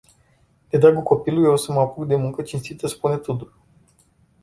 De dragul copilului o să mă apuc de muncă cinstită spune Tudor.